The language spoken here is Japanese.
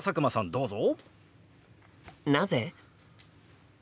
どうぞ。